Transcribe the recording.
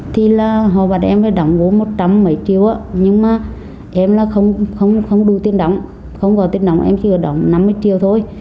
thì là họ bắt em phải đóng vô một trăm linh mấy triệu á nhưng mà em là không đủ tiền đóng không có tiền đóng em chỉ có đóng năm mươi triệu thôi